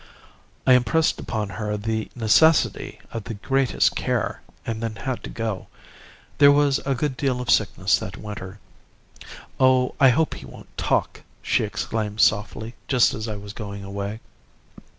"I impressed upon her the necessity of the greatest care, and then had to go. There was a good deal of sickness that winter. 'Oh, I hope he won't talk!' she exclaimed softly just as I was going away.